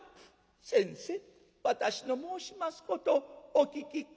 「先生私の申しますことお聞き下さいませ」。